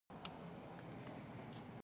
ایسټل لوډر وایي د بریا لپاره کار کوئ.